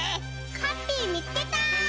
ハッピーみつけた！